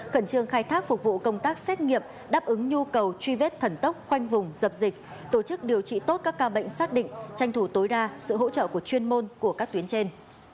khẩn trương khai thác phục vụ công tác xét nghiệm đáp ứng nhu cầu truy vết thần tốc khoanh vùng dập dịch tổ chức điều trị tốt các ca bệnh xác định tranh thủ tối đa sự hỗ trợ của chuyên môn của các tuyến trên